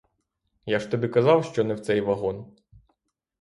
Я ж тобі казав, що не в цей вагон.